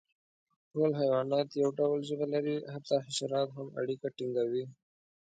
ټول حیوانات یو ډول ژبه لري، حتی حشرات هم اړیکه ټینګوي.